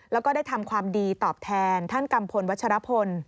แล้วก็ได้ทำความดีตอบแทนท่านกัมพลวัชรพล